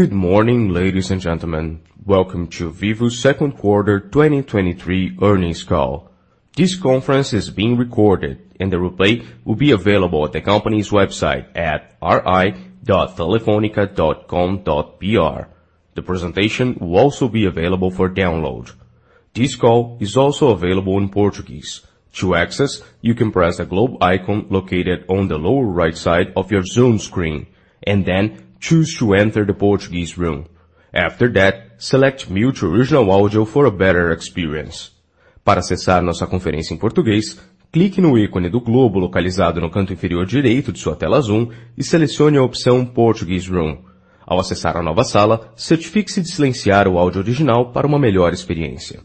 Good morning, ladies and gentlemen. Welcome to Vivo's Second Quarter 2023 earnings call. This conference is being recorded, and the replay will be available at the company's website at ri.telefonica.com.br. The presentation will also be available for download. This call is also available in Portuguese. To access, you can press the globe icon located on the lower right side of your Zoom screen, and then choose to enter the Portuguese room. After that, select Mute to Original Audio for a better experience. Para acessar nossa conferência em português, clique no ícone do globo localizado no canto inferior direito de sua tela Zoom, e selecione a opção Portuguese room. Ao acessar a nova sala, certifique-se de silenciar o áudio original para uma melhor experiência.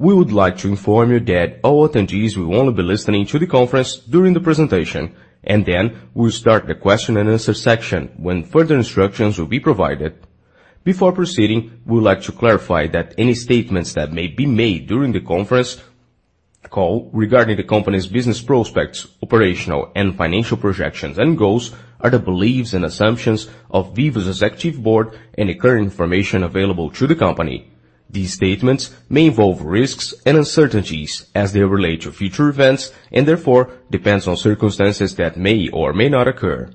We would like to inform you that all attendees will only be listening to the conference during the presentation, and then we will start the question and answer section when further instructions will be provided. Before proceeding, we would like to clarify that any statements that may be made during the conference call regarding the company's business prospects, operational and financial projections and goals, are the beliefs and assumptions of Vivo's executive board and the current information available to the company. These statements may involve risks and uncertainties as they relate to future events, and therefore, depends on circumstances that may or may not occur.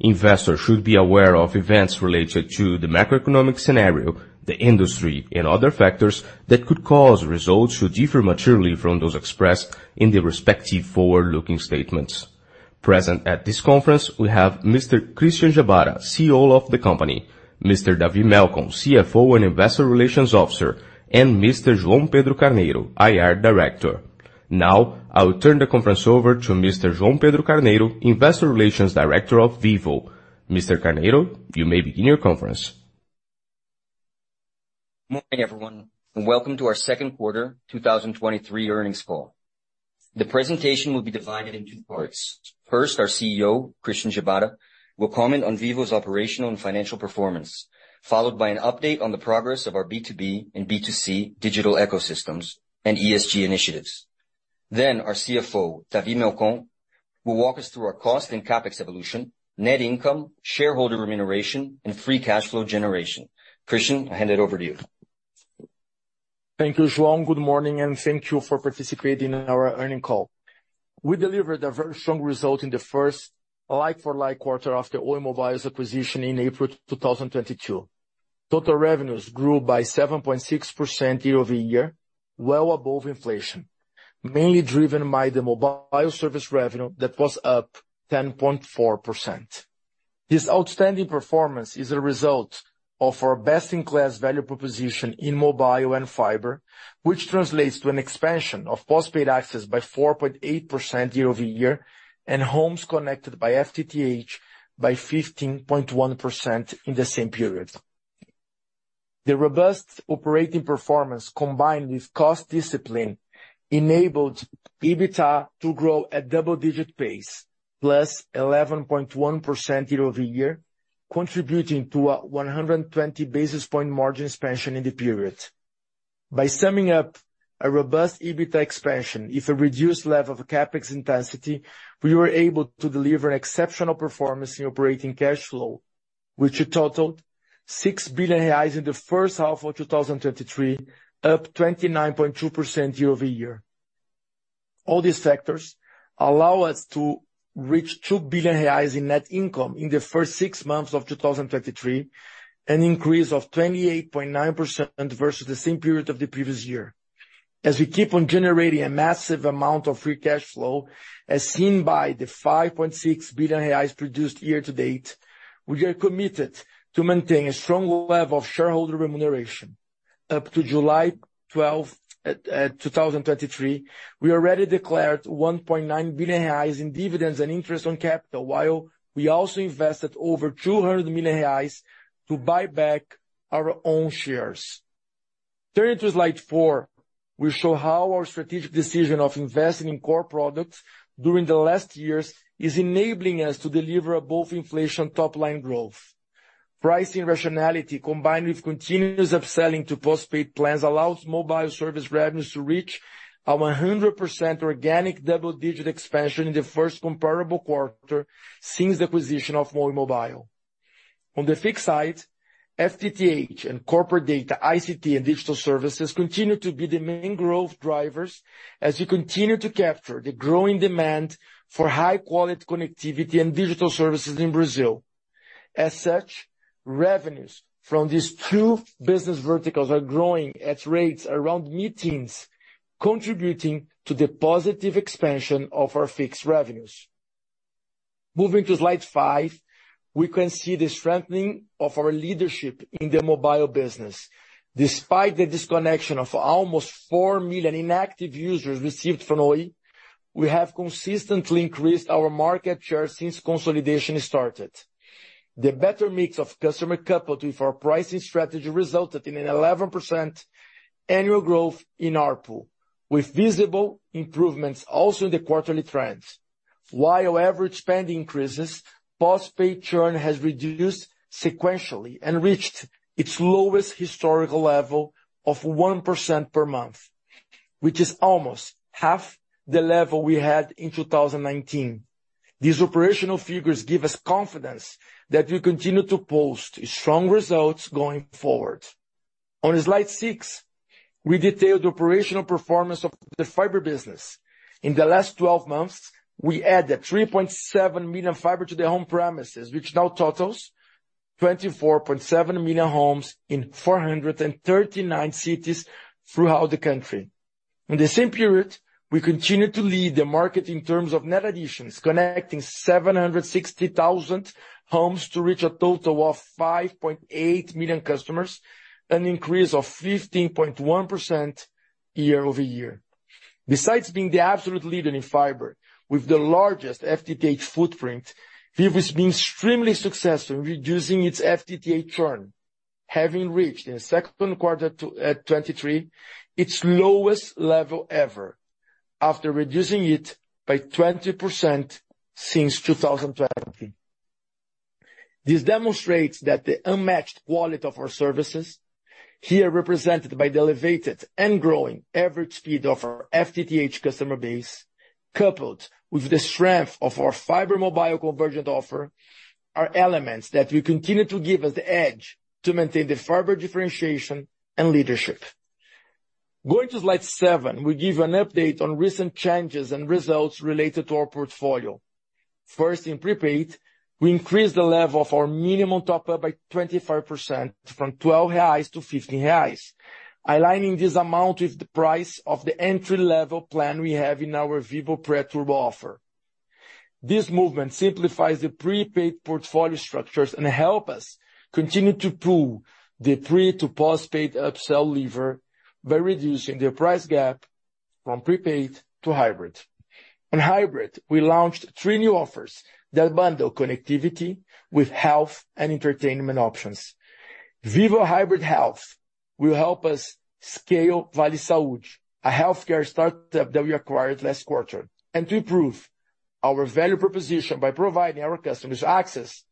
Investors should be aware of events related to the macroeconomic scenario, the industry, and other factors that could cause results to differ materially from those expressed in the respective forward-looking statements. Present at this conference, we have Mr. Christian Gebara, CEO of the company, Mr. David Melcon, CFO and Investor Relations Officer, and Mr. João Pedro Carneiro, IR Director. I will turn the conference over to Mr. João Pedro Carneiro, Investor Relations Director of Vivo. Mr. Carneiro, you may begin your conference. Morning, everyone, and welcome to our second quarter 2023 earnings call. The presentation will be divided in two parts. First, our CEO, Christian Gebara, will comment on Vivo's operational and financial performance, followed by an update on the progress of our B2B and B2C digital ecosystems and ESG initiatives. Our CFO, David Melcon, will walk us through our cost and CapEx evolution, net income, shareholder remuneration, and free cash flow generation. Christian, I hand it over to you. Thank you, João. Good morning, and thank you for participating in our earnings call. We delivered a very strong result in the first like-for-like quarter after Oi Mobile's acquisition in April 2022. Total revenues grew by 7.6% year-over-year, well above inflation, mainly driven by the mobile service revenue that was up 10.4%. This outstanding performance is a result of our best-in-class value proposition in mobile and fiber, which translates to an expansion of postpaid access by 4.8% year-over-year, and homes connected by FTTH by 15.1% in the same period. The robust operating performance, combined with cost discipline, enabled EBITDA to grow at double-digit pace, plus 11.1% year-over-year, contributing to a 120 basis point margin expansion in the period. By summing up a robust EBITDA expansion with a reduced level of CapEx intensity, we were able to deliver exceptional performance in Operating Cash Flow, which totaled 6 billion reais in the first half of 2023, up 29.2% year-over-year. All these factors allow us to reach 2 billion reais in net income in the first 6 months of 2023, an increase of 28.9% versus the same period of the previous year. As we keep on generating a massive amount of free cash flow, as seen by the 5.6 billion reais produced year to date, we are committed to maintain a strong level of shareholder remuneration. Up to July 12th, 2023, we already declared 1.9 billion reais in dividends and Interest on Capital, while we also invested over 200 million reais to buy back our own shares. Turning to slide 4, we show how our strategic decision of investing in core products during the last years is enabling us to deliver above inflation top-line growth. Pricing rationality, combined with continuous upselling to postpaid plans, allows mobile service revenues to reach 100% organic double-digit expansion in the first comparable quarter since the acquisition of Oi Mobile. On the fixed side, FTTH and Corporate Data, ICT and Digital Services continue to be the main growth drivers as we continue to capture the growing demand for high-quality connectivity and digital services in Brazil. As such, revenues from these two business verticals are growing at rates around mid-teens, contributing to the positive expansion of our fixed revenues. Moving to slide 5, we can see the strengthening of our leadership in the mobile business. Despite the disconnection of almost 4 million inactive users received from Oi, we have consistently increased our market share since consolidation started. The better mix of customer, coupled with our pricing strategy, resulted in an 11% annual growth in ARPU, with visible improvements also in the quarterly trends. While average spending increases, postpaid churn has reduced sequentially and reached its lowest historical level of 1% per month, which is almost half the level we had in 2019. These operational figures give us confidence that we continue to post strong results going forward. On slide 6, we detailed the operational performance of the fiber business. In the last 12 months, we added 3.7 million fiber-to-the-home premises, which now totals 24.7 million homes in 439 cities throughout the country. In the same period, we continued to lead the market in terms of net additions, connecting 760,000 homes to reach a total of 5.8 million customers, an increase of 15.1% year-over-year. Besides being the absolute leader in fiber, with the largest FTTH footprint, Vivo has been extremely successful in reducing its FTTH churn, having reached in the second quarter to 2023, its lowest level ever, after reducing it by 20% since 2020. This demonstrates that the unmatched quality of our services, here represented by the elevated and growing average speed of our FTTH customer base, coupled with the strength of our fiber mobile convergent offer, are elements that will continue to give us the edge to maintain the fiber differentiation and leadership. Going to slide 7, we give an update on recent changes and results related to our portfolio. First, in prepaid, we increased the level of our minimum top up by 25% from 12 reais to 15 reais, aligning this amount with the price of the entry-level plan we have in our Vivo Pré Turbo offer. This movement simplifies the prepaid portfolio structure and help us continue to pull the pre-to-postpaid upsell lever by reducing the price gap from prepaid to Hybrid. On Hybrid, we launched three new offers that bundle connectivity with health and entertainment options. Vivo Hybrid Health will help us scale Vale Saúde, a healthcare startup that we acquired last quarter, and to improve our value proposition by providing our customers access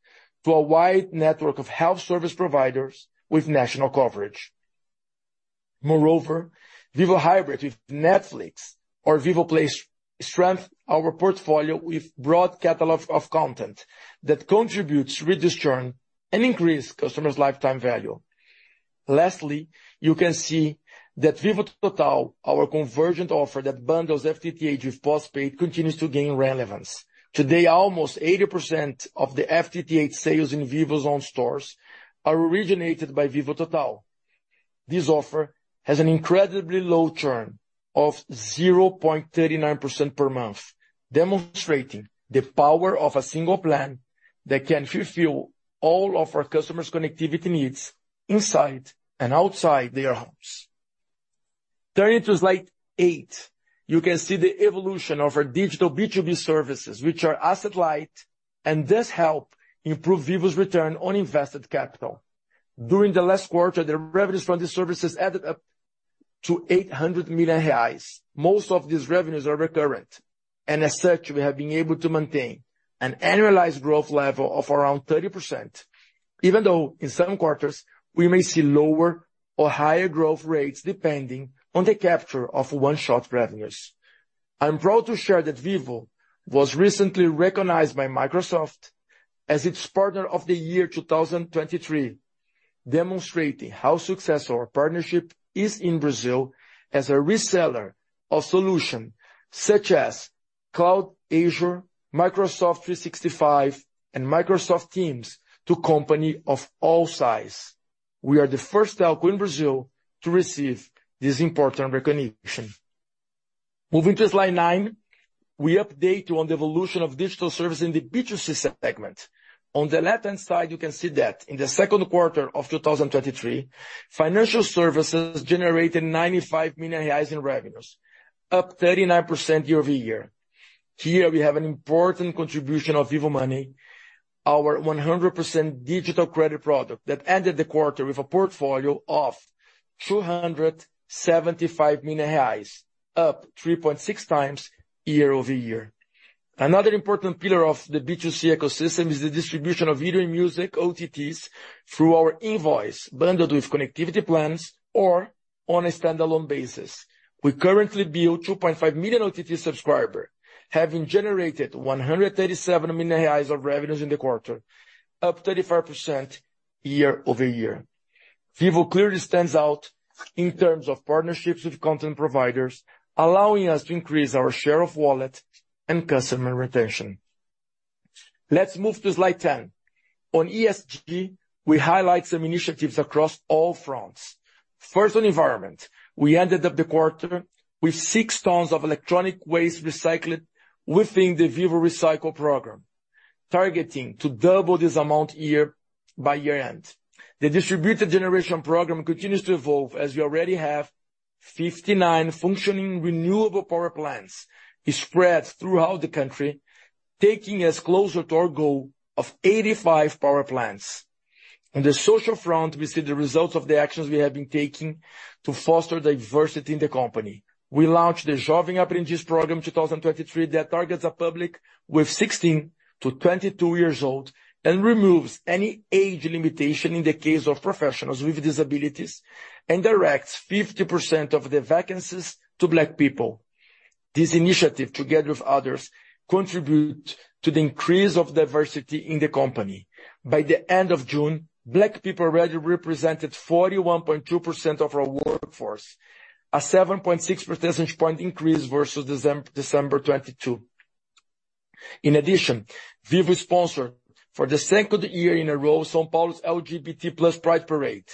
to a wide network of health service providers with national coverage. Moreover, Vivo Hybrid, with Netflix or Vivo Play, strength our portfolio with broad catalog of content that contributes to reduce churn and increase customers' lifetime value. Lastly, you can see that Vivo Total, our convergent offer that bundles FTTH with postpaid, continues to gain relevance. Today, almost 80% of the FTTH sales in Vivo's own stores are originated by Vivo Total. This offer has an incredibly low churn of 0.39% per month, demonstrating the power of a single plan that can fulfill all of our customers' connectivity needs inside and outside their homes. Turning to slide 8, you can see the evolution of our digital B2B services, which are asset light, and this help improve Vivo's return on invested capital. During the last quarter, the revenues from these services added up to 800 million reais. Most of these revenues are recurrent, and as such, we have been able to maintain an annualized growth level of around 30%, even though in some quarters we may see lower or higher growth rates, depending on the capture of one-shot revenues. I'm proud to share that Vivo was recently recognized by Microsoft as its partner of the year, 2023, demonstrating how successful our partnership is in Brazil as a reseller of solution, such as Microsoft Azure, Microsoft 365, and Microsoft Teams, to company of all size. We are the first telco in Brazil to receive this important recognition. Moving to slide 9, we update you on the evolution of digital services in the B2C segment. On the left-hand side, you can see that in the second quarter of 2023, financial services generated 95 million reais in revenues, up 39% year-over-year. Here we have an important contribution of Vivo Money, our 100% digital credit product that ended the quarter with a portfolio of 275 million reais, up 3.6 times year-over-year. Another important pillar of the B2C ecosystem is the distribution of video and music OTTs through our invoice, bundled with connectivity plans or on a standalone basis. We currently build 2.5 million OTT subscribers, having generated 137 million reais of revenues in the quarter, up 35% year-over-year. Vivo clearly stands out in terms of partnerships with content providers, allowing us to increase our share of wallet and customer retention. Let's move to slide 10. On ESG, we highlight some initiatives across all fronts. First, on environment, we ended up the quarter with 6 tons of electronic waste recycled within the Vivo Recycle program, targeting to double this amount year- by year-end. The Distributed Generation Program continues to evolve, as we already have 59 functioning renewable power plants spread throughout the country, taking us closer to our goal of 85 power plants. On the social front, we see the results of the actions we have been taking to foster diversity in the company. We launched the Jovem Aprendiz Program 2023, that targets a public with 16 to 22 years old, and removes any age limitation in the case of professionals with disabilities, and directs 50% of the vacancies to Black people. This initiative, together with others, contribute to the increase of diversity in the company. By the end of June, Black people already represented 41.2% of our workforce, a 7.6 percentage point increase versus December 2022. In addition, Vivo sponsored, for the second year in a row, São Paulo's LGBT+ Pride Parade.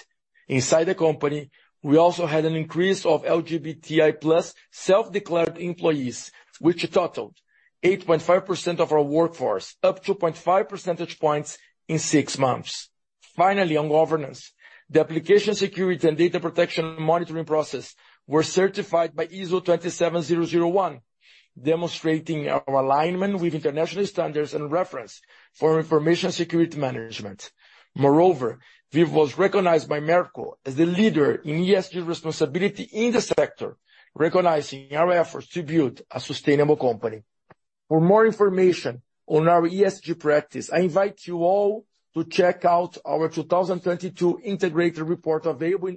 Inside the company, we also had an increase of LGBTI+ self-declared employees, which totaled 8.5% of our workforce, up 2.5 percentage points in 6 months. On governance, the application security and data protection monitoring process were certified by ISO 27001, demonstrating our alignment with international standards and reference for information security management. Vivo was recognized by Merco as the leader in ESG Responsibility in the sector, recognizing our efforts to build a sustainable company. For more information on our ESG practice, I invite you all to check out our 2022 Integrated Report, available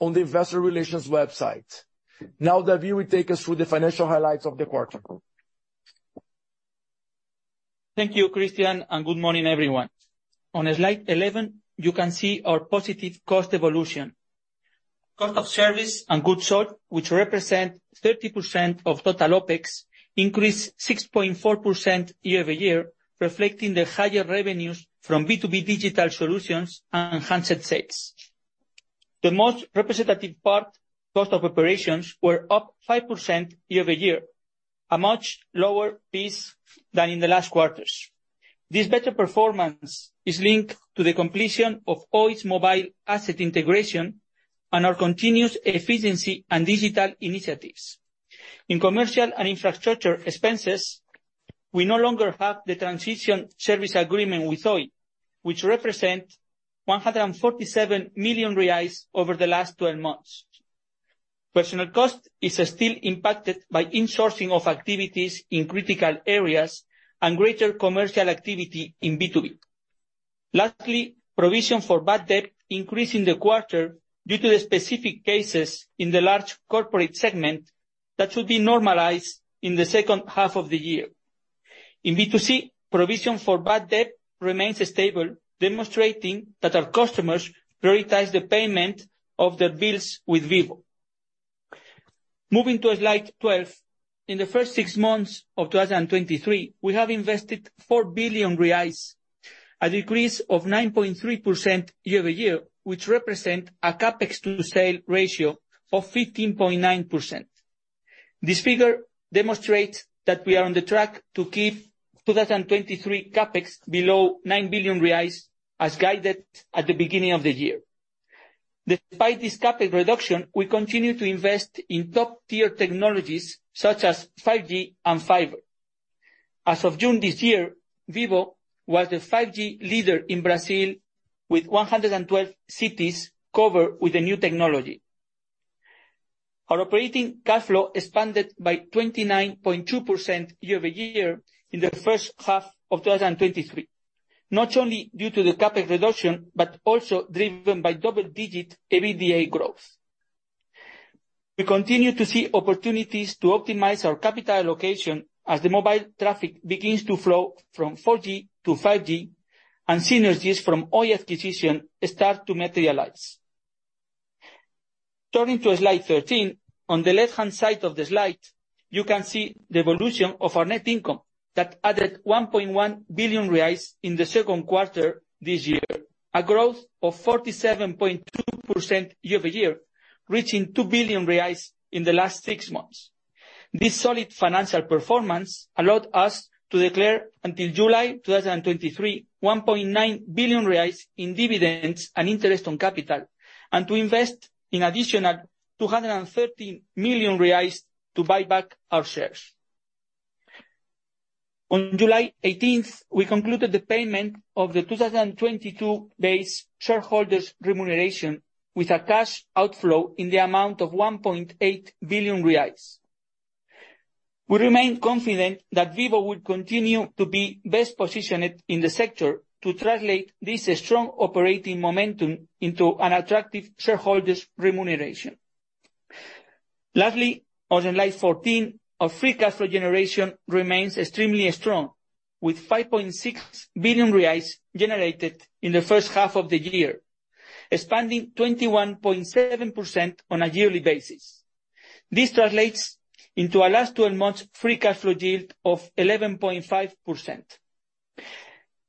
on the Investor Relations website. David will take us through the financial highlights of the quarter. Thank you, Christian. Good morning, everyone. On slide 11, you can see our positive cost evolution. Cost of services and goods sold, which represent 30% of total OpEx, increased 6.4% year-over-year, reflecting the higher revenues from B2B Digital Solutions and handset sales. The most representative part, Cost of Operations, were up 5% year-over-year, a much lower piece than in the last quarters. This better performance is linked to the completion of Oi's mobile asset integration and our continuous efficiency and digital initiatives. In Commercial and Infrastructure expenses, we no longer have the Transition Services Agreement with Oi, which represent 147 million reais over the last 12 months. Personal cost is still impacted by insourcing of activities in critical areas and greater commercial activity in B2B. Lastly, provision for bad debt increased in the quarter due to the specific cases in the large corporate segment that should be normalized in the second half of the year. In B2C, provision for bad debt remains stable, demonstrating that our customers prioritize the payment of their bills with Vivo. Moving to slide 12. In the first six months of 2023, we have invested 4 billion reais, a decrease of 9.3% year-over-year, which represent a CapEx to sale ratio of 15.9%. This figure demonstrates that we are on the track to keep 2023 CapEx below 9 billion reais, as guided at the beginning of the year. Despite this CapEx reduction, we continue to invest in top-tier technologies such as 5G and fiber. As of June this year, Vivo was the 5G leader in Brazil, with 112 cities covered with the new technology. Our Operating Cash Flow expanded by 29.2% year-over-year in the first half of 2023, not only due to the CapEx reduction, but also driven by double-digit EBITDA growth. We continue to see opportunities to optimize our capital allocation as the mobile traffic begins to flow from 4G to 5G, and synergies from Oi acquisition start to materialize. Turning to slide 13. On the left-hand side of the slide, you can see the evolution of our net income, that added reais 1.1 billion in the second quarter this year, a growth of 47.2% year-over-year, reaching reais 2 billion in the last six months. This solid financial performance allowed us to declare, until July 2023, 1.9 billion reais in dividends and interest on capital, and to invest an additional 230 million reais to buy back our shares. On July 18th, we concluded the payment of the 2022 base shareholders' remuneration with a cash outflow in the amount of 1.8 billion reais. We remain confident that Vivo will continue to be best positioned in the sector to translate this strong operating momentum into an attractive shareholders' remuneration. On slide 14, our free cash flow generation remains extremely strong, with 5.6 billion reais generated in the first half of the year, expanding 21.7% on a yearly basis. This translates into a last 12 months free cash flow yield of 11.5%.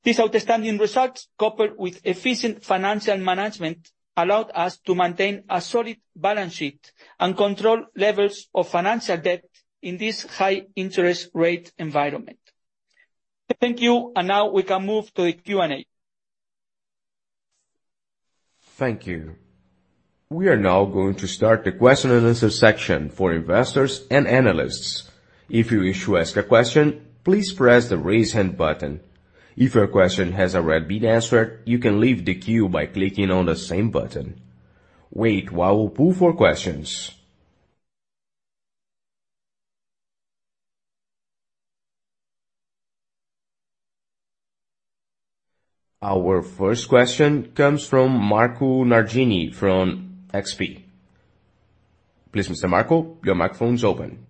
These outstanding results, coupled with efficient financial management, allowed us to maintain a solid balance sheet and control levels of financial debt in this high interest rate environment. Thank you, and now we can move to the Q&A. Thank you. We are now going to start the question and answer section for investors and analysts. If you wish to ask a question, please press the Raise Hand button. If your question has already been answered, you can leave the queue by clicking on the same button. Wait while we pull for questions. Our first question comes from Marco Nardini from XP. Please, Mr. Marco, your microphone is open.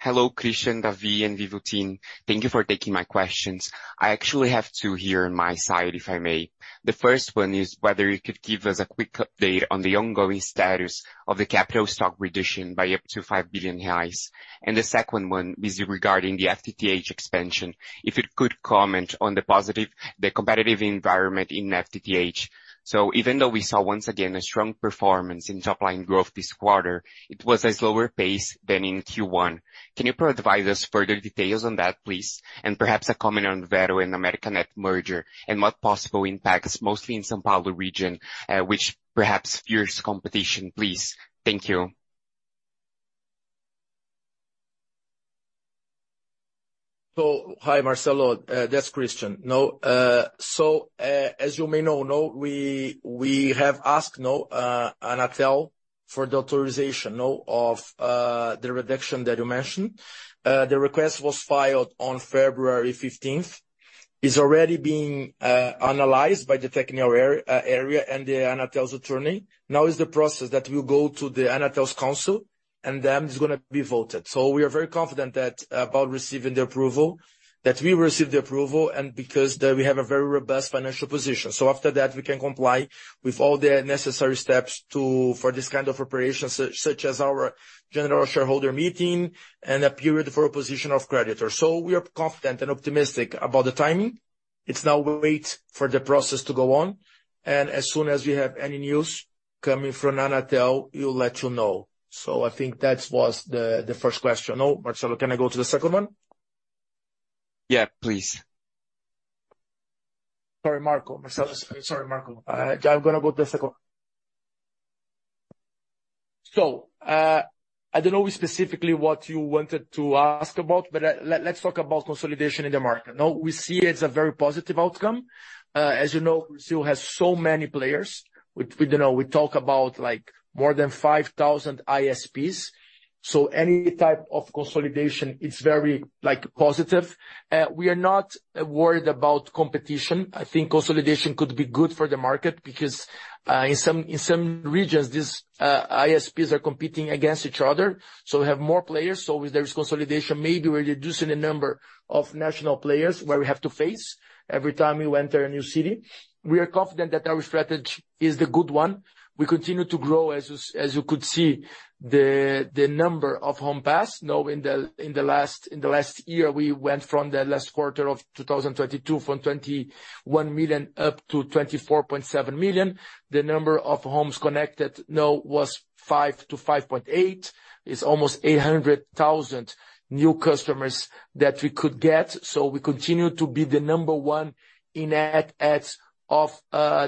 Hello, Christian, David, and Vivo team. Thank you for taking my questions. I actually have two here on my side, if I may. The first one is whether you could give us a quick update on the ongoing status of the capital stock reduction by up to 5 billion reais. The second one is regarding the FTTH expansion. If you could comment on the competitive environment in FTTH. Even though we saw once again, a strong performance in top-line growth this quarter, it was a slower pace than in Q1. Can you provide us further details on that, please? Perhaps a comment on Vero and Americanet merger, and what possible impacts, mostly in São Paulo region, which perhaps fierce competition, please. Thank you. Hi, Marcelo, this Christian. As you may know, we have asked Anatel for the authorization of the reduction that you mentioned. The request was filed on February 15th. It's already being analyzed by the technical area and Anatel's attorney. Is the process that will go to Anatel's council, and then it's gonna be voted. We are very confident that we will receive the approval, and because that we have a very robust financial position. After that, we can comply with all the necessary steps for this kind of operations, such as our general shareholder meeting and a period for opposition of creditors. We are confident and optimistic about the timing. It's now we wait for the process to go on. As soon as we have any news coming from Anatel, we'll let you know. I think that was the first question. Oh, Marcelo, can I go to the second one? Yeah, please. Sorry, Marco. Marcelo, sorry, Marco. I'm gonna go to the second. I don't know specifically what you wanted to ask about, but let's talk about consolidation in the market. Now, we see it as a very positive outcome. As you know, Brazil has so many players. We don't know, we talk about, like, more than 5,000 ISPs. Any type of consolidation, it's very, like, positive. We are not worried about competition. I think consolidation could be good for the market because, in some regions, these ISPs are competing against each other. We have more players, if there is consolidation, maybe we're reducing the number of national players, where we have to face every time we enter a new city. We are confident that our strategy is the good one. We continue to grow, as you could see, the number of home pass. Now, in the last year, we went from the last quarter of 2022, from 21 million up to 24.7 million. The number of homes connected now was 5 to 5.8. It's almost 800,000 new customers that we could get. We continue to be the number one in net adds of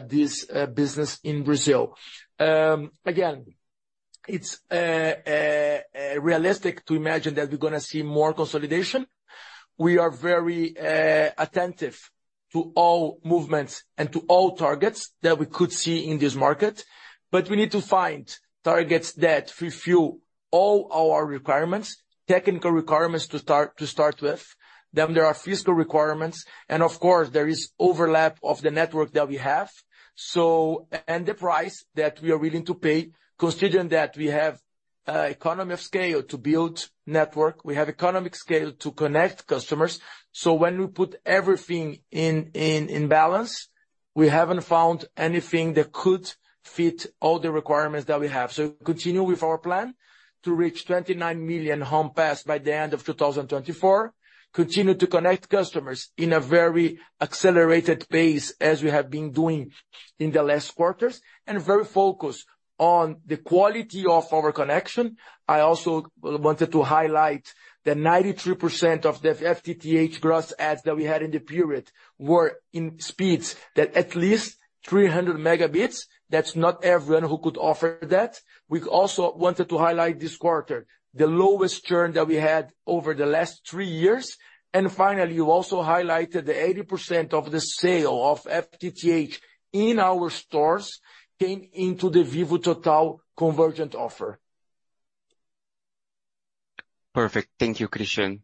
this business in Brazil. Again, it's realistic to imagine that we're gonna see more consolidation. We are very attentive to all movements and to all targets that we could see in this market. We need to find targets that fulfill all our requirements, technical requirements to start with. There are fiscal requirements, of course, there is overlap of the network that we have. The price that we are willing to pay, considering that we have economy of scale to build network, we have economic scale to connect customers. When we put everything in balance, we haven't found anything that could fit all the requirements that we have. We continue with our plan to reach 29 million home passed by the end of 2024. Continue to connect customers in a very accelerated pace, as we have been doing in the last quarters, and very focused on the quality of our connection. I also wanted to highlight that 93% of the FTTH gross adds that we had in the period, were in speeds that at least 300 megabits. That's not everyone who could offer that. We also wanted to highlight this quarter, the lowest churn that we had over the last three years. Finally, we also highlighted the 80% of the sale of FTTH in our stores came into the Vivo Total convergent offer. Perfect. Thank you, Christian.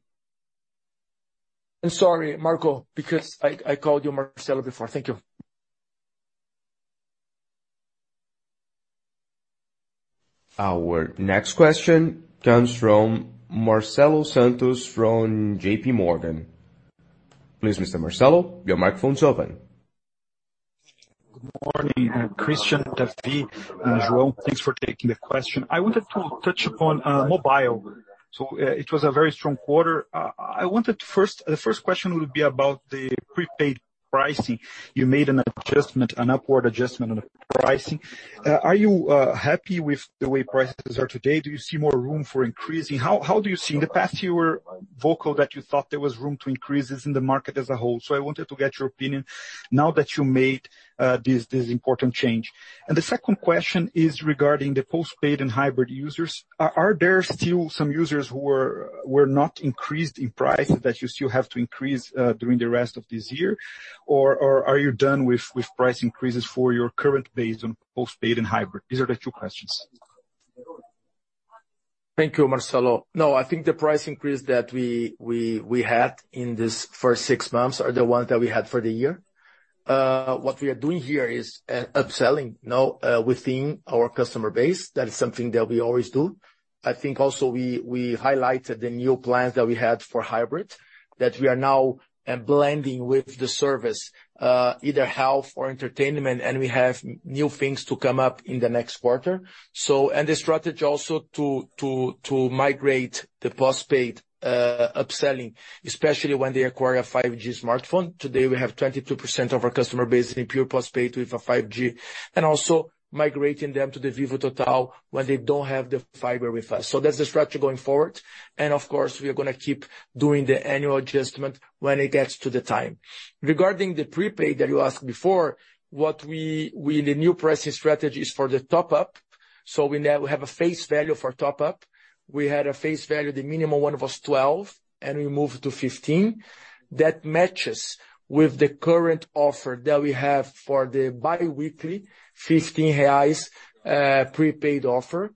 I'm sorry, Marco, because I called you Marcelo before. Thank you. Our next question comes from Marcelo Santos, from JPMorgan. Please, Mr. Marcelo, your microphone's open. Good morning, Christian, David, and Jerome. Thanks for taking the question. I wanted to touch upon mobile. It was a very strong quarter. I wanted first, the first question would be about the prepaid pricing. You made an adjustment, an upward adjustment on the pricing. Are you happy with the way prices are today? Do you see more room for increasing? How do you see? In the past, you were vocal that you thought there was room to increases in the market as a whole. I wanted to get your opinion now that you made this important change. The second question is regarding the postpaid and Hybrid users. Are there still some users who were not increased in price, that you still have to increase during the rest of this year? Are you done with price increases for your current base on postpaid and hybrid? These are the two questions. Thank you, Marcelo. No, I think the price increase that we had in this first six months are the ones that we had for the year. What we are doing here is upselling now within our customer base. That is something that we always do. I think also we highlighted the new plans that we had for Hybrid, that we are now blending with the service, either health or entertainment, and we have new things to come up in the next quarter. The strategy also to migrate the postpaid upselling, especially when they acquire a 5G smartphone. Today, we have 22% of our customer base in pure postpaid with a 5G, and also migrating them to the Vivo Total when they don't have the fiber with us. That's the strategy going forward. Of course, we are gonna keep doing the annual adjustment when it gets to the time. Regarding the prepaid that you asked before, we, the new pricing strategy is for the top-up, so we now have a face value for top-up. We had a face value, the minimum one was 12, and we moved to 15. That matches with the current offer that we have for the bi-weekly 15 reais prepaid offer.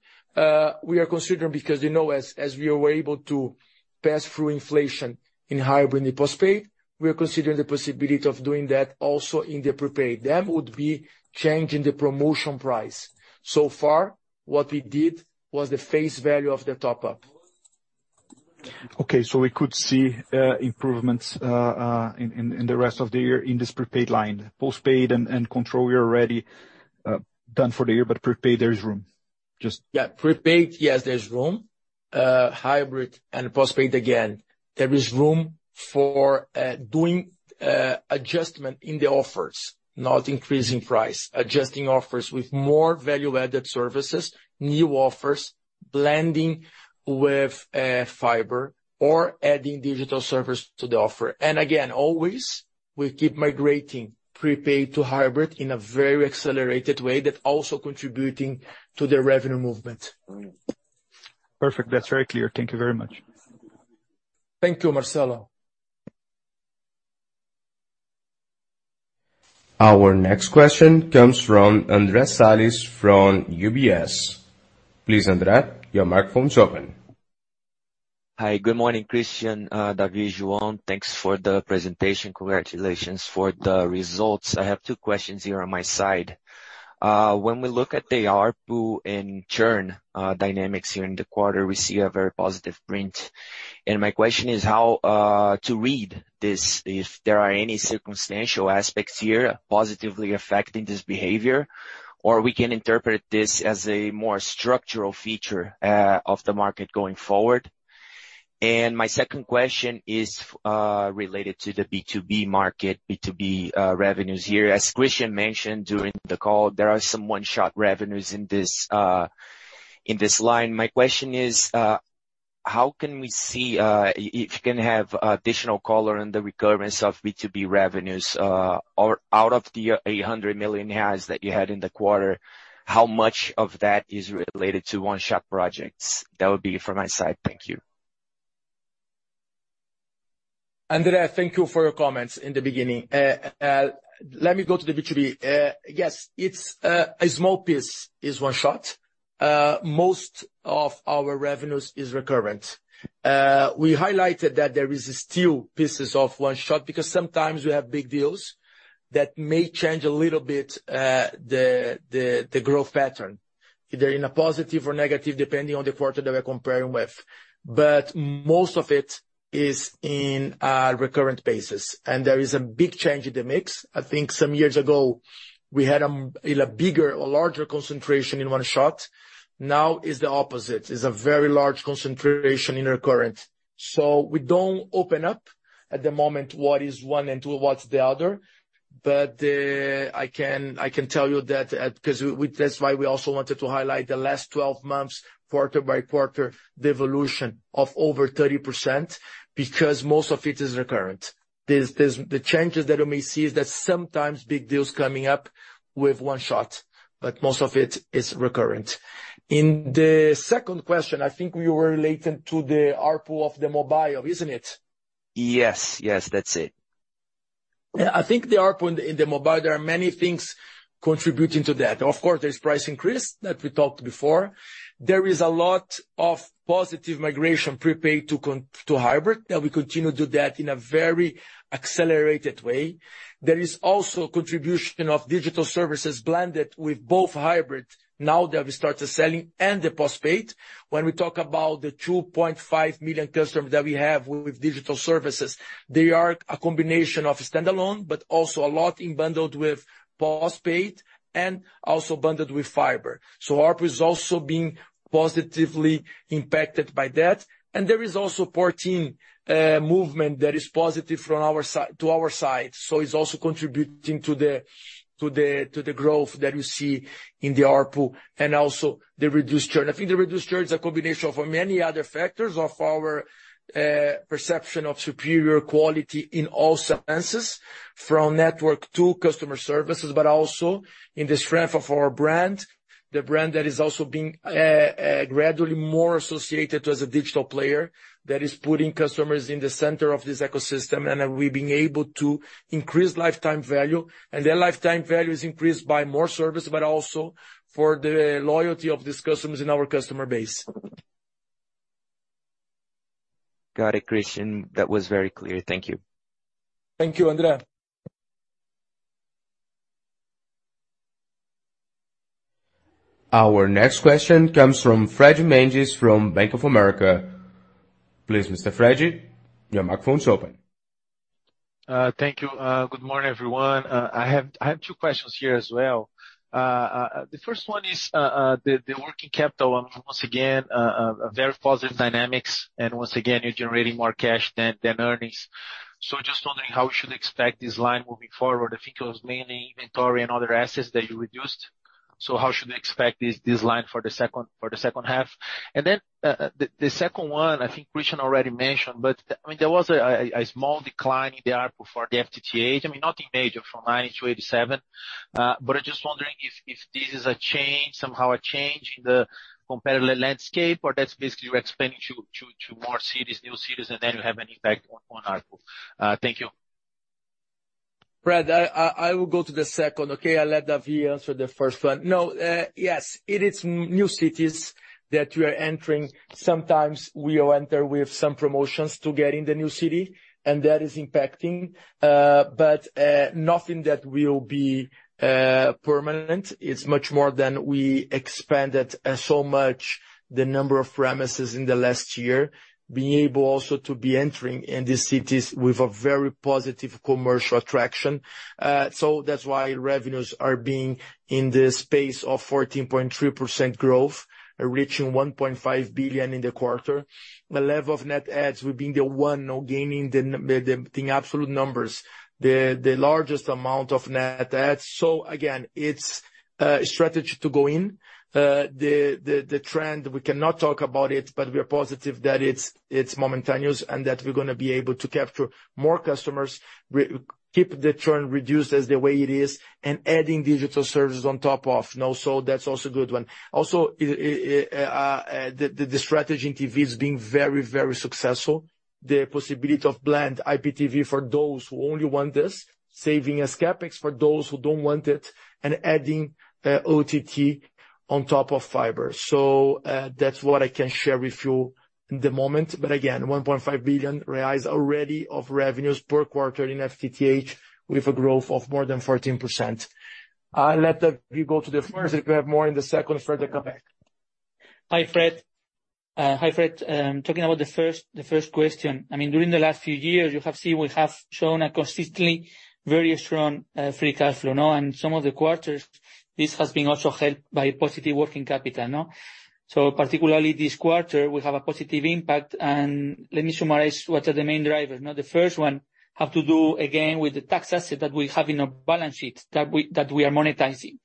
We are considering, because, you know, as we are able to pass through inflation in hybrid and postpaid, we are considering the possibility of doing that also in the prepaid. That would be changing the promotion price. So far, what we did was the face value of the top-up. We could see improvements in the rest of the year in this prepaid line. postpaid and Controle, you're already done for the year. prepaid, there is room. Yeah, prepaid, yes, there's room. Hybrid and postpaid, again, there is room for doing adjustment in the offers, not increasing price. Adjusting offers with more value-added services, new offers, blending with fiber or adding digital service to the offer. Again, always, we keep migrating prepaid to Hybrid in a very accelerated way that also contributing to the revenue movement. Perfect. That's very clear. Thank you very much. Thank you, Marcelo. Our next question comes from Andre Salles from UBS. Please, Andre, your microphone is open. Hi, good morning, Christian, David, Joan. Thanks for the presentation. Congratulations for the results. I have 2 questions here on my side. When we look at the ARPU and Churn dynamics here in the quarter, we see a very positive print. My question is how to read this, if there are any circumstantial aspects here positively affecting this behavior, or we can interpret this as a more structural feature of the market going forward? My 2nd question is related to the B2B market, B2B revenues here. As Christian mentioned during the call, there are some one-shot revenues in this in this line. My question is, how can we see, if you can have additional color on the recurrence of B2B revenues, or out of the 800 million reais that you had in the quarter, how much of that is related to one-shot projects? That would be from my side. Thank you. Andre, thank you for your comments in the beginning. Let me go to the B2B. Yes, it's a small piece is one shot. Most of our revenues is recurrent. We highlighted that there is still pieces of one shot, because sometimes we have big deals that may change a little bit the growth pattern, either in a positive or negative, depending on the quarter that we're comparing with. Most of it is in a recurrent basis, and there is a big change in the mix. I think some years ago, we had a bigger or larger concentration in one shot. Now, it's the opposite. It's a very large concentration in recurrent. We don't open up at the moment what is one and two, what's the other. I can tell you that's why we also wanted to highlight the last 12 months, quarter by quarter, the evolution of over 30%, because most of it is recurrent. The changes that you may see is that sometimes big deals coming up with one shot, but most of it is recurrent. In the second question, I think we were relating to the ARPU of the mobile, isn't it? Yes, yes, that's it. I think the ARPU in the mobile, there are many things contributing to that. Of course, there's price increase that we talked before. There is a lot of positive migration prepaid to Hybrid, that we continue to do that in a very accelerated way. There is also contribution of digital services blended with both Hybrid, now that we start the selling and the postpaid. When we talk about the 2.5 million customers that we have with digital services, they are a combination of standalone, but also a lot in bundled with postpaid and also bundled with fiber. ARPU is also being positively impacted by that, and there is also 14 movement that is positive from our side, to our side. It's also contributing to the growth that you see in the ARPU and also the reduced churn. I think the reduced churn is a combination of many other factors of our perception of superior quality in all senses, from network to customer services, but also in the strength of our brand. The brand that is also being gradually more associated as a digital player, that is putting customers in the center of this ecosystem, and we've been able to increase lifetime value. Their lifetime value is increased by more service, but also for the loyalty of these customers in our customer base. Got it, Christian. That was very clear. Thank you. Thank you, Andre. Our next question comes from Freddie Mendes from Bank of America. Please, Mr. Freddie, your microphone is open. Thank you. Good morning, everyone. I have two questions here as well. The first one is the working capital. Once again, a very positive dynamics, and once again, you're generating more cash than earnings. Just wondering how we should expect this line moving forward. I think it was mainly inventory and other assets that you reduced. How should we expect this line for the second half? The second one, I think Christian already mentioned, but, I mean, there was a small decline in the ARPU for the FTTH. I mean, nothing major from 90 to 87, but I'm just wondering if this is a change, somehow a change in the competitive landscape, or that's basically you expanding to more cities, new cities, and then you have an impact on ARPU. Thank you. Fred, I will go to the second, okay. I'll let David answer the first one. Yes, it is new cities that we are entering. Sometimes we'll enter with some promotions to get in the new city, and that is impacting, but nothing that will be permanent. It's much more than we expanded so much the number of premises in the last year, being able also to be entering in these cities with a very positive commercial attraction. That's why revenues are being in the space of 14.3% growth, reaching 1.5 billion in the quarter. The level of net adds, we've been the one now gaining the absolute numbers, the largest amount of net adds. Again, it's a strategy to go in. The trend, we cannot talk about it, but we are positive that it's momentaneous, and that we're gonna be able to capture more customers, keep the trend reduced as the way it is, and adding digital services on top of. That's also a good one. The strategy in TV is being very, very successful. The possibility of blend IPTV for those who only want this, saving CapEx for those who don't want it, and adding OTT on top of fiber. That's what I can share with you in the moment. Again, 1.5 billion reais already of revenues per quarter in FTTH, with a growth of more than 14%. I'll let David go to the first, if you have more in the second, Fred, to come back. Hi, Fred. Talking about the first question. I mean, during the last few years, you have seen we have shown a consistently very strong free cash flow, no? Some of the quarters, this has been also helped by positive working capital, no? Particularly this quarter, we have a positive impact, and let me summarize what are the main drivers. The first one have to do again with the tax asset that we have in our balance sheet, that we are monetizing.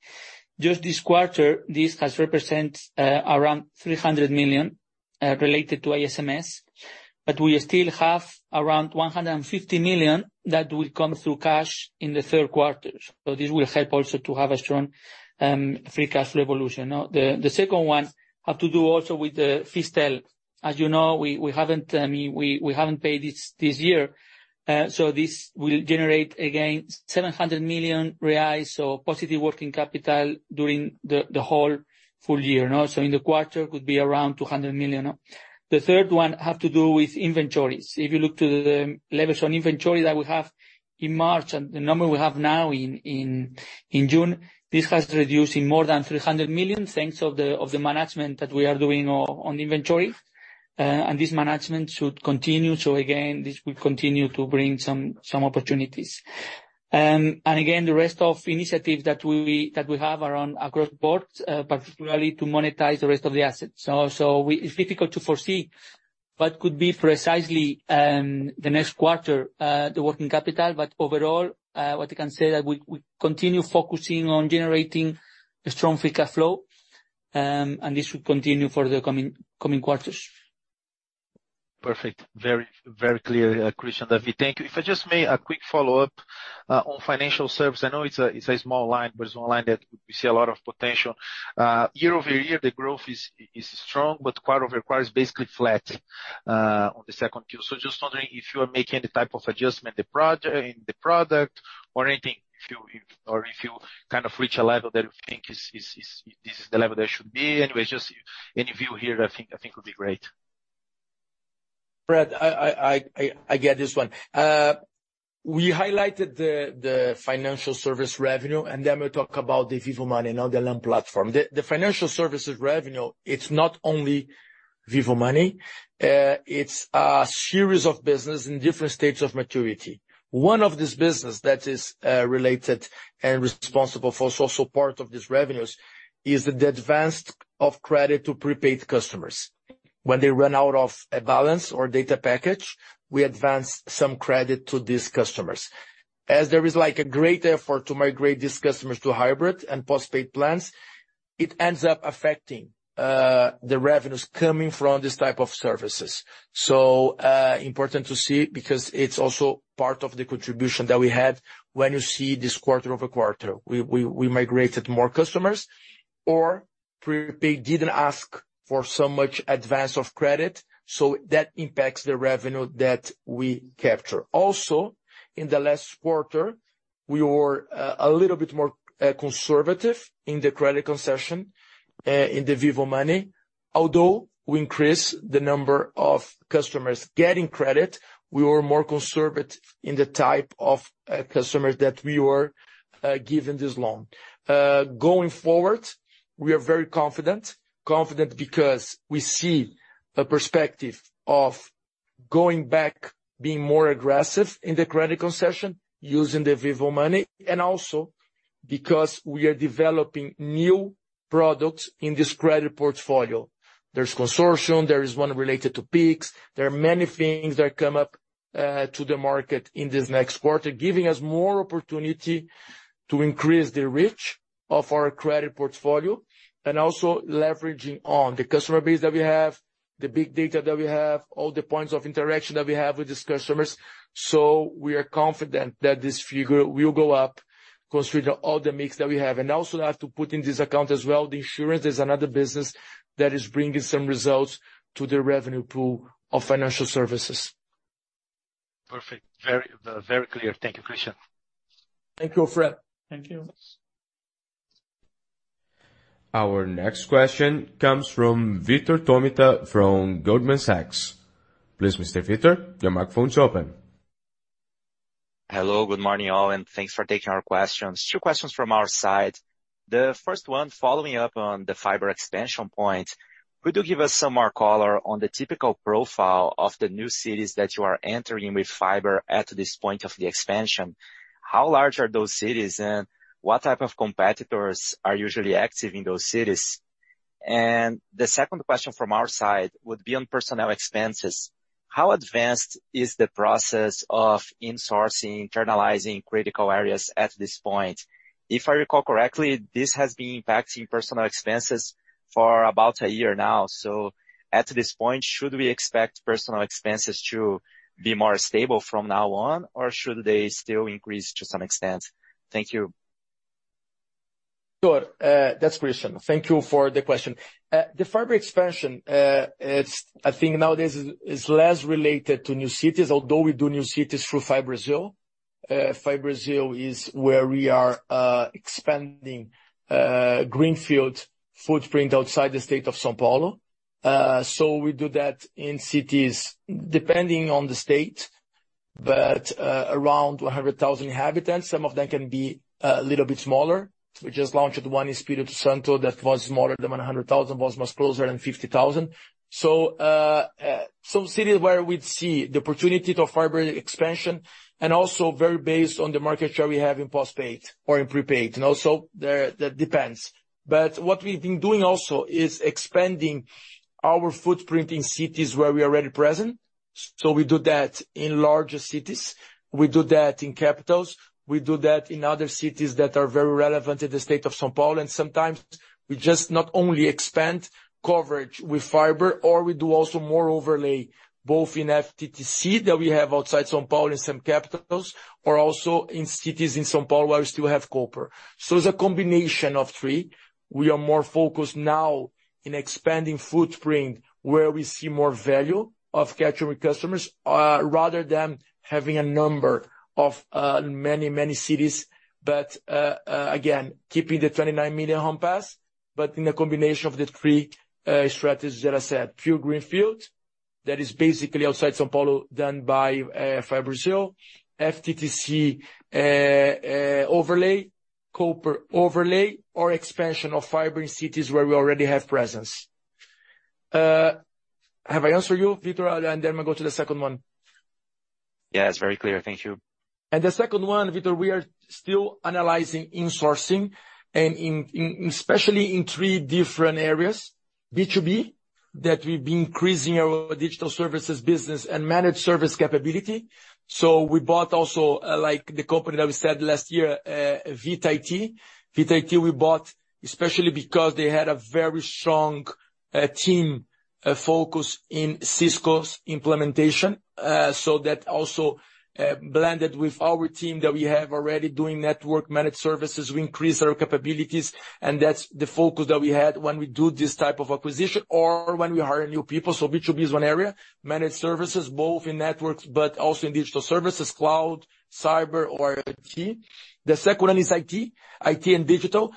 Just this quarter, this has represent around 300 million related to ICMS, but we still have around 150 million that will come through cash in the third quarter. This will help also to have a strong free cash flow revolution, no? The second one have to do also with the FISTEL. As you know, we haven't, I mean, we haven't paid it this year, so this will generate, again, 700 million reais, so positive working capital during the whole full year, no? In the quarter, could be around 200 million. The third one have to do with inventories. If you look to the levels on inventory that we have in March and the number we have now in June, this has reduced in more than 300 million, thanks of the management that we are doing on inventory. This management should continue, so again, this will continue to bring some opportunities. Again, the rest of initiatives that we have around across boards, particularly to monetize the rest of the assets. It's difficult to foresee what could be precisely, the next quarter, the working capital, but overall, what I can say that we continue focusing on generating a strong free cash flow, and this will continue for the coming quarters. Perfect. Very, very clear, Christian, David, thank you. I just make a quick follow-up on financial service, I know it's a small line, but it's one line that we see a lot of potential. Year-over-year, the growth is strong, quarter-over-quarter is basically flat on the 2Q. Just wondering if you are making any type of adjustment, in the product or anything, if you or if you kind of reach a level that you think is this is the level that it should be. Anyways, just any view here, I think would be great. Fred, I get this one. We highlighted the financial service revenue. We talk about the Vivo Money and now the land platform. The financial services revenue, it's not only Vivo Money, it's a series of business in different states of maturity. One of this business that is related and responsible for social part of these revenues, is the advanced of credit to prepaid customers. When they run out of a balance or data package, we advance some credit to these customers. As there is like a great effort to migrate these customers to Hybrid and postpaid plans, it ends up affecting the revenues coming from this type of services. Important to see, because it's also part of the contribution that we have when you see this quarter-over-quarter. We migrated more customers, or prepaid didn't ask for so much advance of credit, so that impacts the revenue that we capture. Also, in the last quarter, we were a little bit more conservative in the credit concession in the Vivo Money. Although we increase the number of customers getting credit, we were more conservative in the type of customers that we were giving this loan. Going forward, we are very confident. Confident because we see a perspective of going back, being more aggressive in the credit concession, using the Vivo Money, and also because we are developing new products in this credit portfolio. There's consortium, there is one related to Pix. There are many things that come up, to the market in this next quarter, giving us more opportunity to increase the reach of our credit portfolio, and also leveraging on the customer base that we have, the big data that we have, all the points of interaction that we have with these customers. We are confident that this figure will go up considering all the mix that we have. I have to put in this account as well, the insurance is another business that is bringing some results to the revenue pool of financial services. Perfect. Very, very clear. Thank you, Christian. Thank you, Fred. Thank you. Our next question comes from Victor Tomita, from Goldman Sachs. Please, Mr. Victor, your microphone is open. Hello, good morning, all. Thanks for taking our questions. 2 questions from our side. The 1st one, following up on the fiber expansion point, could you give us some more color on the typical profile of the new cities that you are entering with fiber at this point of the expansion? How large are those cities, what type of competitors are usually active in those cities? The 2nd question from our side would be on personnel expenses. How advanced is the process of insourcing, internalizing critical areas at this point? If I recall correctly, this has been impacting personal expenses for about 1 year now. At this point, should we expect personal expenses to be more stable from now on, or should they still increase to some extent? Thank you. Sure, that's Christian. Thank you for the question. The fiber expansion, I think nowadays is less related to new cities, although we do new cities through FiBrasil. Fibra Brasil is where we are expanding greenfield footprint outside the state of São Paulo. We do that in cities, depending on the state, but around 100,000 inhabitants, some of them can be a little bit smaller. We just launched one in Espírito Santo that was smaller than 100,000, was much closer than 50,000. Some cities where we'd see the opportunity to fiber expansion and also very based on the market share we have in postpaid or in prepaid. Also, there, that depends. What we've been doing also is expanding our footprint in cities where we are already present. We do that in larger cities, we do that in capitals, we do that in other cities that are very relevant in the state of São Paulo. Sometimes we just not only expand coverage with fiber, or we do also more overlay, both in FTTC, that we have outside São Paulo and some capitals, or also in cities in São Paulo, where we still have copper. It's a combination of three. We are more focused now in expanding footprint, where we see more value of capturing customers, rather than having a number of many, many cities, but again, keeping the 29 million home pass, but in a combination of the three strategies that I said. Few greenfield, that is basically outside São Paulo, done by, Fibra Brasil, FTTC, overlay, copper overlay, or expansion of fiber in cities where we already have presence. Have I answered you, Victor? I'll go to the second one. Yeah, it's very clear. Thank you. The second one, Victor, we are still analyzing insourcing especially in three different areas. B2B, that we've been increasing our digital services business and managed service capability. We bought also, like, the company that we said last year, Vita IT. Vita IT, we bought especially because they had a very strong team focused in Cisco's implementation. That also blended with our team that we have already doing network managed services. We increased our capabilities, and that's the focus that we had when we do this type of acquisition or when we hire new people. B2B is one area. Managed services, both in networks but also in digital services, cloud, cyber or IT. The second one is IT. IT and digital.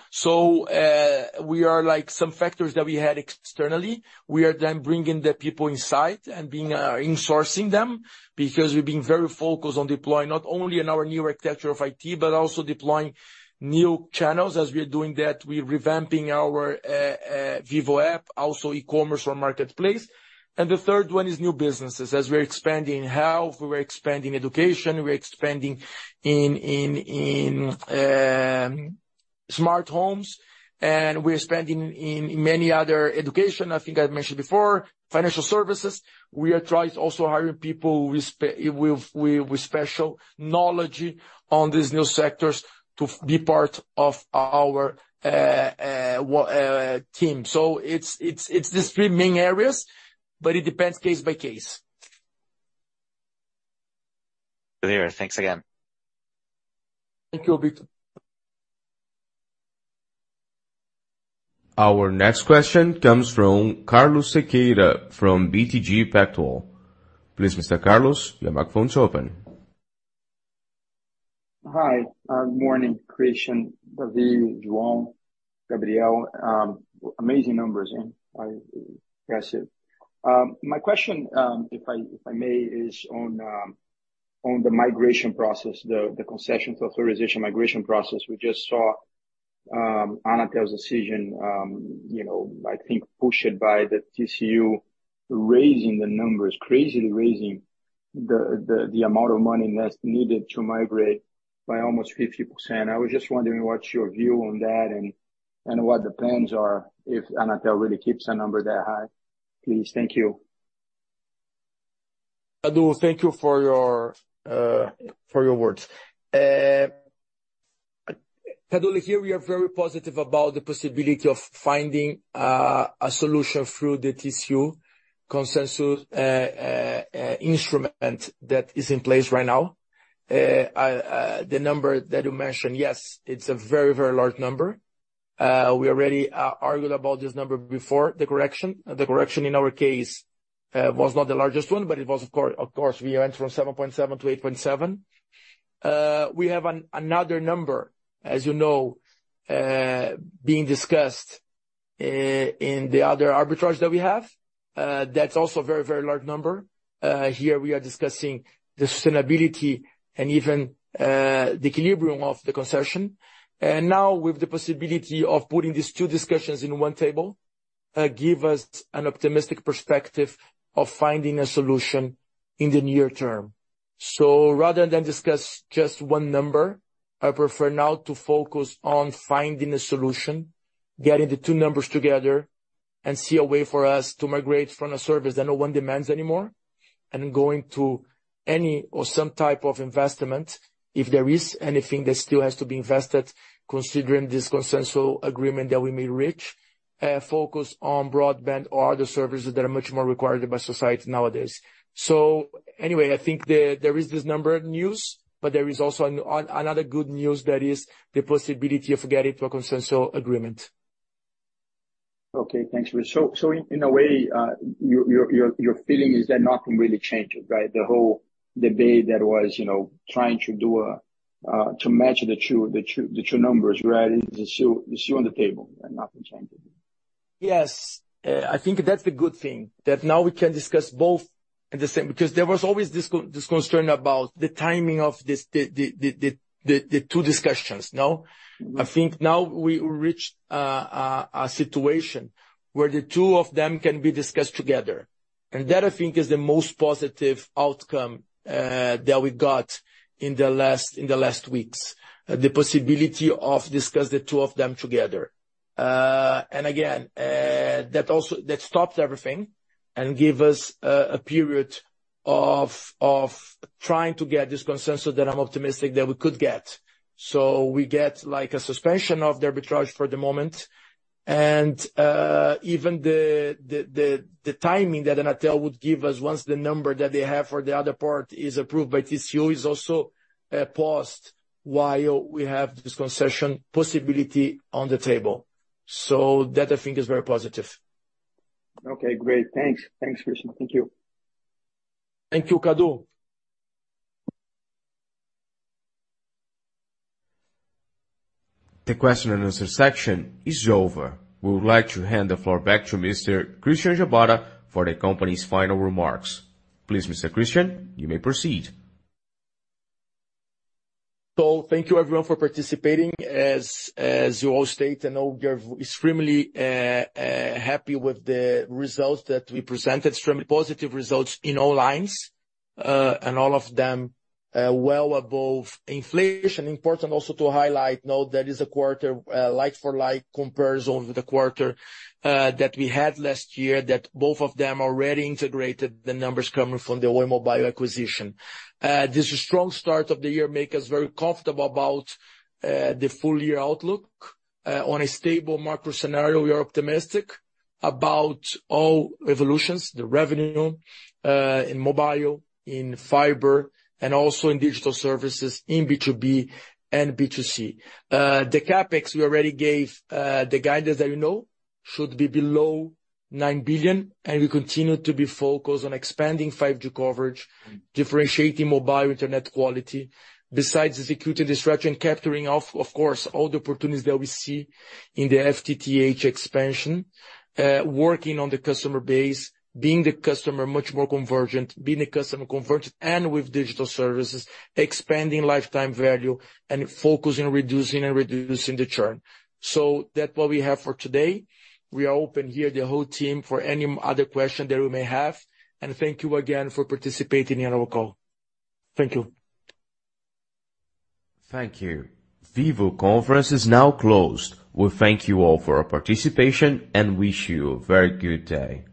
We are like some factors that we had externally. We are then bringing the people inside and being insourcing them, because we've been very focused on deploying not only in our new architecture of IT, but also deploying new channels. As we are doing that, we're revamping our Vivo app, also e-commerce or marketplace. The third one is new businesses. As we're expanding health, we're expanding education, we're expanding in smart homes, and we're expanding in many other education. I think I've mentioned before, financial services. We are trying to also hire people with special knowledge on these new sectors to be part of our team. It's the three main areas, but it depends case by case. Clear. Thanks again. Thank you, Victor. Our next question comes from Carlos Sequeira, from BTG Pactual. Please, Mr. Carlos, your microphone is open. Hi, morning, Christian, David, Juan, Gabrielle. Amazing numbers in, I, impressive. My question, if I, if I may, is on the migration process, the concessions authorization migration process. We just saw Anatel's decision, you know, I think pushed by the TCU, raising the numbers, crazily raising the amount of money that's needed to migrate by almost 50%. I was just wondering what's your view on that, and what the plans are if Anatel really keeps a number that high, please? Thank you. Cadu, thank you for your, for your words. Cadu, here we are very positive about the possibility of finding a solution through the TCU consensus instrument that is in place right now. The number that you mentioned, yes, it's a very, very large number. We already argued about this number before the correction. The correction in our case was not the largest one, but it was of course, we went from 7.7 to 8.7. We have another number, as you know, being discussed in the other arbitrage that we have. That's also a very, very large number. Here we are discussing the sustainability and even the equilibrium of the concession. Now with the possibility of putting these two discussions in one table, give us an optimistic perspective of finding a solution in the near term. Rather than discuss just one number, I prefer now to focus on finding a solution, getting the two numbers together, and see a way for us to migrate from a service that no one demands anymore. Going to any or some type of investment, if there is anything that still has to be invested, considering this consensual agreement that we may reach, focus on broadband or other services that are much more required by society nowadays. Anyway, I think there is this number of news, there is also another good news, that is the possibility of getting to a consensual agreement. Okay, thanks. In a way, your feeling is that nothing really changed, right? The whole debate that was, you know, trying to do to match the two numbers, right, it's still on the table and nothing changed. Yes. I think that's the good thing, that now we can discuss both at the same. There was always this concern about the timing of this two discussions, no. I think now we reached a situation where the two of them can be discussed together, and that, I think, is the most positive outcome that we got in the last, in the last weeks. The possibility of discuss the two of them together. And again, that also, that stopped everything and gave us a period of trying to get this consensus that I'm optimistic that we could get. We get, like, a suspension of the arbitrage for the moment. Even the timing that Anatel would give us, once the number that they have for the other part is approved by TCU, is also paused while we have this concession possibility on the table. That, I think, is very positive. Okay, great. Thanks. Thanks, Christian. Thank you. Thank you, Cadu. The question and answer section is over. We would like to hand the floor back to Mr. Christian Gebara for the company's final remarks. Please, Mr. Christian, you may proceed. Thank you, everyone, for participating. As you all state and know, we are extremely happy with the results that we presented. Extremely positive results in all lines, and all of them well above inflation. Important also to highlight, note that is a quarter like for like comparison with the quarter that we had last year, that both of them already integrated the numbers coming from the Oi Mobile acquisition. This strong start of the year make us very comfortable about the full year outlook. On a stable macro scenario, we are optimistic about all evolutions, the revenue, in mobile, in fiber, and also in digital services, in B2B and B2C. The CapEx we already gave the guidance that you know, should be below 9 billion reais. We continue to be focused on expanding 5G coverage, differentiating mobile internet quality, besides executing disruption, capturing, of course, all the opportunities that we see in the FTTH expansion. Working on the customer base, being the customer much more convergent, being the customer convergent and with digital services, expanding lifetime value, and focusing on reducing the churn. That's what we have for today. We are open here, the whole team, for any other question that you may have. Thank you again for participating in our call. Thank you. Thank you. Vivo conference is now closed. We thank you all for your participation and wish you a very good day.